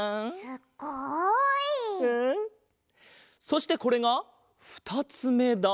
そしてこれがふたつめだ。